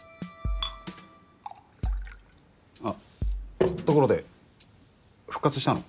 あっところで復活したの？